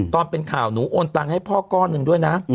ตอนเป็นข่าวหนูโอนตังค์ให้พ่อก้อนหนึ่งด้วยนะ